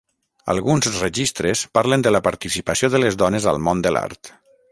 Alguns registres parlen de la participació de les dones al món de l'art.